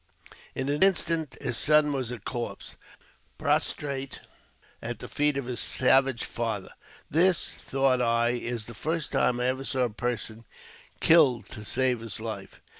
In an instant his son was a corpse, prostrate at the feet of his savage father. This, thought I, is the first time I ever saw a person killed to save his life.